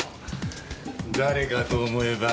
誰かと思えば。